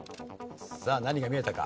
さあ何が見えたか？